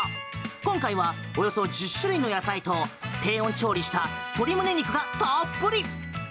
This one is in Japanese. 今回は、およそ１０種類の野菜と低温調理した鶏胸肉がたっぷり！